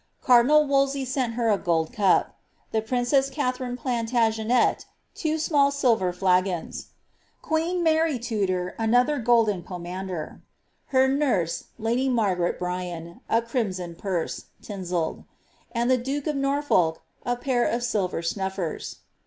Cardinal Wolsey sent her a gold cup ; the princess Katharine Plants genet, two small silver flagons; queen Mary Tudor, another golden pomander ; her nurse, lady Margaret Bryan, a crimson purse, tinselled; abd the duke of Norfolk, a pair of silver snuffers.